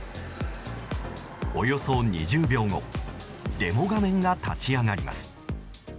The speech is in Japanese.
およそ２０秒後デモ画面が立ち上がります。